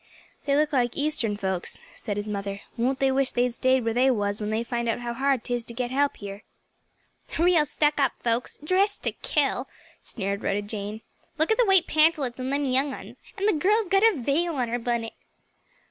"They look like eastern folks," said his mother. "Won't they wish they'd staid where they was when they find out how hard 'tis to get help here?" "Real stuck up folks; dressed to kill," sneered Rhoda Jane. "Look at the white pantalets on them young uns! and the girl's got a veil on her bunnit."